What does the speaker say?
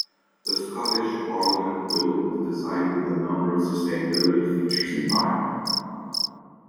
The Scottish Parliament Building was designed with a number of sustainability features in mind.